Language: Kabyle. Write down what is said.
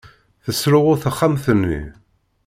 Tesruɣu texxamt-nni.